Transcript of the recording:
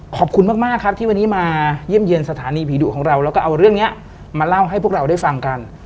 ขอบคุณมากครับที่วันนี้มาเยี่ยมเยี่ยมสถานีผีดุของเราแล้วก็เอาเรื่องนี้มาเล่าให้พวกเราได้ฟังกัน